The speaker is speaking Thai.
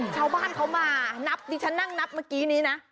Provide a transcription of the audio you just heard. ชาวบ้านเขามานับที่ฉันนั่งนับเมื่อกี้นี้นะ